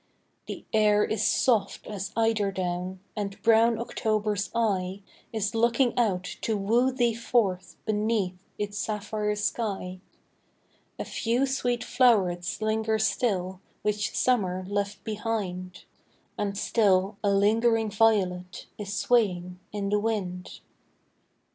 The air is soft as eider down ; And brown October's eye Is looking out to woo thee forth Beneath its sapphire sky. AN AUTUMN INVITATION. 115 A few sweet flow'rets linger still, Which Summer left behind ; And still a lingering violet Is swaying in the wind.